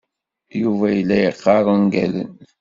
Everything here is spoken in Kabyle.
Yuba yella yaqqar ungalen.